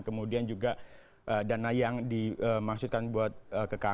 kemudian juga dana yang dimaksudkan buat ke kami